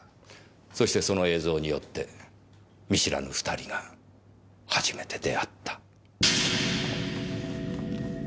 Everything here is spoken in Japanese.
そしてその映像によって見知らぬ２人が初めて出会った。